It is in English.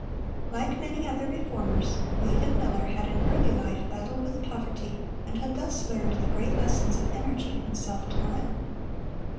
Like many other reformers, William Miller had in early life battled with poverty, and had thus learned the great lessons of energy and self denial.